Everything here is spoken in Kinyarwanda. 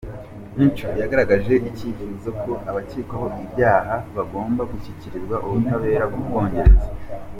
Mitchell yagaragaje icyifuzo ko abakekwaho ibi byaha bakagombye gushyikirizwa ubutabera bw’u Bwongereza.